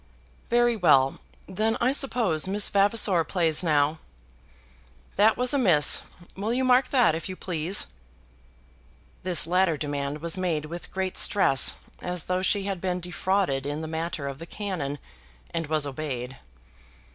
"Very well; then I suppose Miss Vavasor plays now. That was a miss. Will you mark that, if you please?" This latter demand was made with great stress, as though she had been defrauded in the matter of the cannon, and was obeyed.